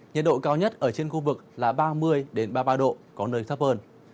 nhiệt độ cao nhất ở trên khu vực là ba mươi ba mươi ba độ có nơi thấp hơn